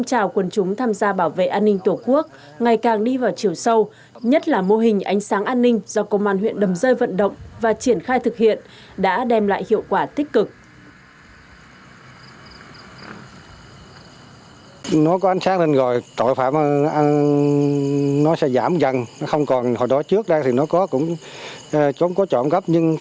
dân chúng tham gia bảo vệ an ninh tổ quốc ngày càng đi vào chiều sâu nhất là mô hình ánh sáng an ninh do công an huyện đầm rơi vận động và triển khai thực hiện đã đem lại hiệu quả tích cực